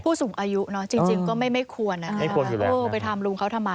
พูดสูงอายุเนอะจริงจริงก็ไม่ไม่ควรนะฮะไม่ควรอยู่แล้วไปทำลุงเขาทำไม